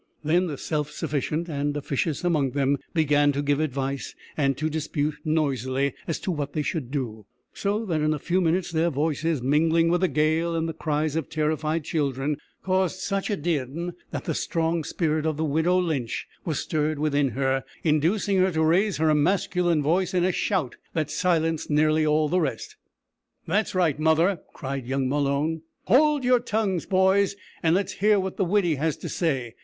Then the self sufficient and officious among them began to give advice, and to dispute noisily as to what they should do, so that in a few minutes their voices, mingling with the gale and the cries of terrified children, caused such a din that the strong spirit of the widow Lynch was stirred within her, inducing her to raise her masculine voice in a shout that silenced nearly all the rest. "That's right, mother," cried young Malone, "howld yer tongues, boys, and let's hear what the widdy has to say.